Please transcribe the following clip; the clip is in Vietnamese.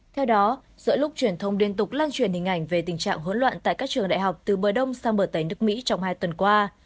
theo đó giữa lúc truyền thông liên tục lan truyền hình ảnh về tình trạng hỗn loạn tại các trường đại học từ bờ đông sang bờ tây nước mỹ trong hai tuần qua